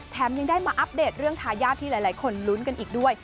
ยังได้มาอัปเดตเรื่องทายาทที่หลายคนลุ้นกันอีกด้วย